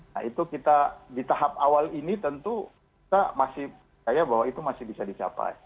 nah itu kita di tahap awal ini tentu kita masih percaya bahwa itu masih bisa dicapai